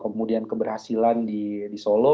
kemudian keberhasilan di solo